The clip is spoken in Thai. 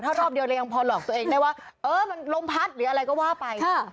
ถ้ารอบเดียวเลยยังพอหลอกตัวเองได้ว่าเออมันลมพัดหรืออะไรก็ว่าไป